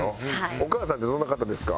お母さんってどんな方ですか？